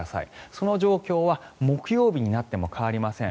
その状況は木曜日になっても変わりません。